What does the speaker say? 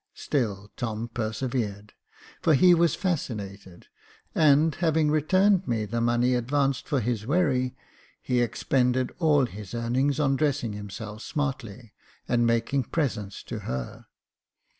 Still Tom persevered, for he was fascinated, and having returned me the money advanced for his wherry, he expended all his earnings on dressing himself smartly, and making presents to her.